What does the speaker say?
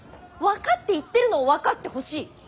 分かって言ってるのを分かってほしい。